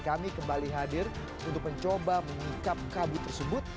kami kembali hadir untuk mencoba mengikat kabut tersebut